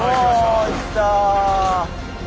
おいった！